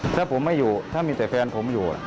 ถ้าผมไม่อยู่ถ้ามีแต่แฟนผมอยู่